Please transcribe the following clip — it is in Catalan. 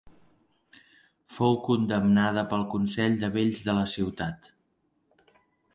Fou condemnada pel consell de vells de la ciutat.